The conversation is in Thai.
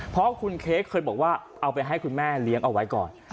เพราะคุณเค้กเคยบอกว่าเอาไปให้คุณแม่เลี้ยงเอาไว้ก่อน